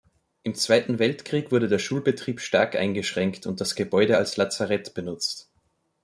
Im Zweiten Weltkrieg wurde der Schulbetrieb stark eingeschränkt und das Gebäude als Lazarett benutzt.